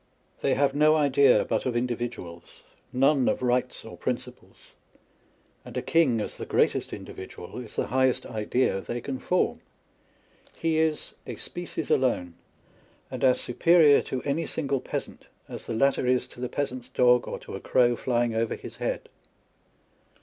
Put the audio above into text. They have no idea but of in dividuals, none of rights or principles â€" and a king, as the greatest individual, is the highest idea they can form. He is " a species alone," and as superior to any single peasant as the latter is to the peasant's dog, or to a crow Hying over his head.